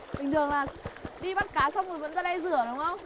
bình thường là đi bắt cá xong rồi vẫn ra đây rửa đúng không